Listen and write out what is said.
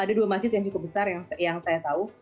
ada dua masjid yang cukup besar yang saya tahu